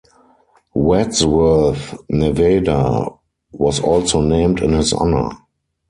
Wadsworth, Nevada, was also named in his honor.